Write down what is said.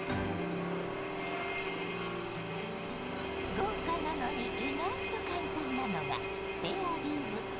豪華なのに意外と簡単なのがスペアリブ。